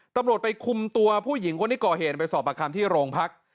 ตำรวจไปคุมตัวผู้หญิงคนที่ก่อเหตุไปสอบประคัมที่โรงพัก